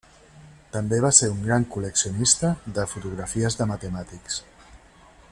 També va ser un gran col·leccionista de fotografies de matemàtics.